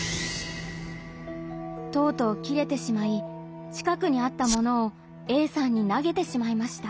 とうとうキレてしまい近くにあった物をＡさんになげてしまいました。